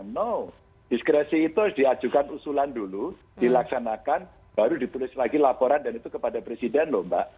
no diskresi itu diajukan usulan dulu dilaksanakan baru ditulis lagi laporan dan itu kepada presiden loh mbak